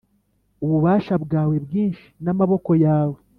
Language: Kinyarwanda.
Ububasha bwawe bwinshi n amaboko yawe